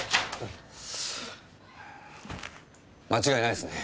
間違いないっすね。